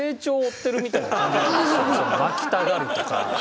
巻きたがるとか。